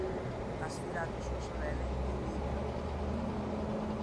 Ha sfidato sua sorella in P-League.